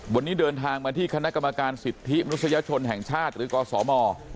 วันนี้เดินทางมาที่คณะกรรมการสิทธิมนุษยชนแห่งชาติหรือกศม